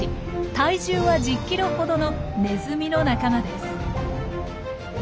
体重は１０ｋｇほどのネズミの仲間です。